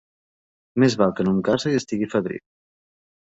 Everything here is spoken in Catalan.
Més val que no em case i estiga fadrí.